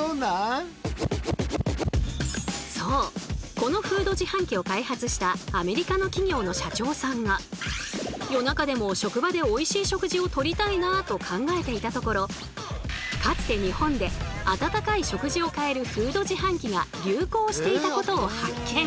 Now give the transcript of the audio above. このフード自販機を開発したアメリカの企業の社長さんがと考えていたところかつて日本で温かい食事を買えるフード自販機が流行していたことを発見。